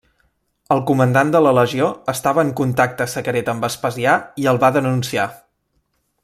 El comandat de la legió estava en contacte secret amb Vespasià i el va denunciar.